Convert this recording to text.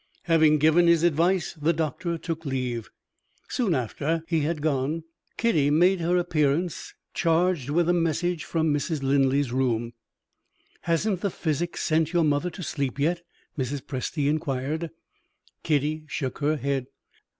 Having given his advice, the doctor took leave. Soon after he had gone, Kitty made her appearance, charged with a message from Mrs. Linley's room. "Hasn't the physic sent your mother to sleep yet?" Mrs. Presty inquired. Kitty shook her head.